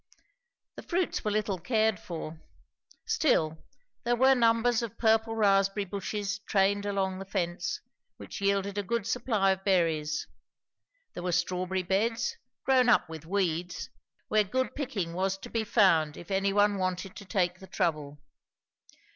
The fruits were little cared for; still, there were numbers of purple raspberry bushes trained along the fence, which yielded a good supply of berries; there were strawberry beds, grown up with weeds, where good picking was to found if any one wanted to take the trouble.